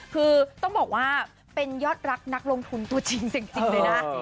คือต้องบอกว่าเป็นยอดรักนักลงทุนตัวจริงเลยนะ